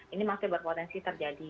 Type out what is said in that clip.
ini masih berpotensi terjadi